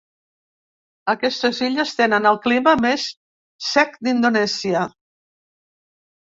Aquestes illes tenen el clima més sec d'Indonèsia.